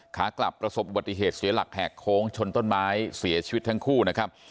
ขากลับประสบอุบัติเหตุเสียหลักแหกโค้งชนต้นไม้เสียชีวิตทั้งคู่นะครับ